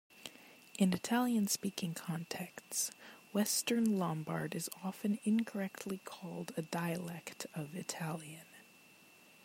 In Italian-speaking contexts, Western Lombard is often incorrectly called a dialect of Italian.